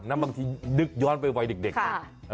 นั่นบางทีนึกย้อนไปไว้เด็กนะ